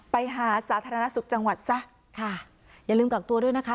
สาธารณสุขจังหวัดซะค่ะอย่าลืมกักตัวด้วยนะคะ